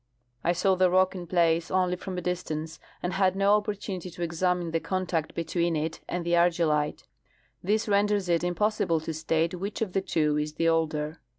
• I saw the rock in place only from a dis tance, and had no opportunity to examine the contact between it and the argillite. This renders it impossible to state which of the two is the older.